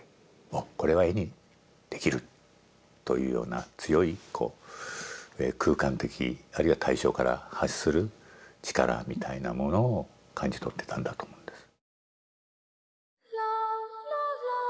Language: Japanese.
おこれは絵にできるというような強いこう空間的あるいは対象から発する力みたいなものを感じ取ってたんだと思うんです。